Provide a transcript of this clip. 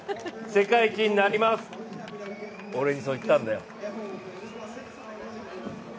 「世界一になります」、俺にそう言ったんだよ。